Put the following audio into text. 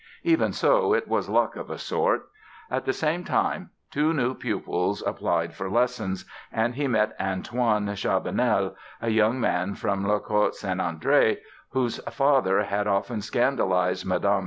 Even so, it was luck of a sort. At the same time, two new pupils applied for lessons and he met Antoine Charbonnel, a young man from La Côte Saint André, whose father had often scandalized Mme.